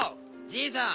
じいさん。